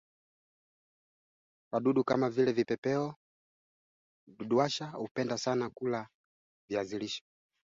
Kundi la m ishirini na tatu liliundwa kutoka kwa kundi lililokuwa likiongozwa na Generali Bosco Ntaganda